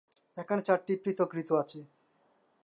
এখানে চারটি পৃথক ঋতু আছে।